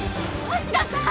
橋田さん